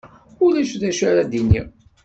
Ulac d acu ara d-iniɣ.